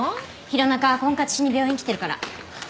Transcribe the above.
弘中は婚活しに病院来てるから。